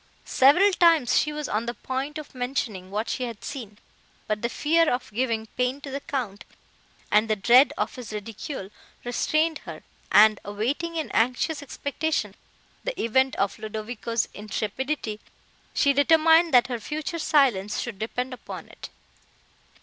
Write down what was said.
Several times she was on the point of mentioning what she had seen, but the fear of giving pain to the Count, and the dread of his ridicule, restrained her; and, awaiting in anxious expectation the event of Ludovico's intrepidity, she determined that her future silence should depend upon it.